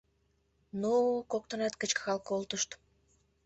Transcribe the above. — Ну-у! — коктынат кычкырал колтышт.